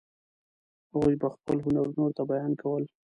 هغوی به خپل هنرونه ورته بیان کول.